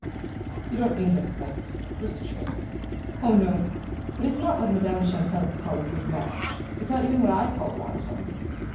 "You don't mean that it's like his first choice?" "Oh, no! But it's not what Madame de Chantelle would call a good match; it's not even what I call a wise one."